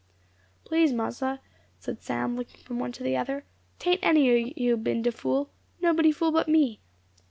"Please, mossa," said Sam, looking from one to the other, "'tain't any o' you been de fool. Nobody fool but me.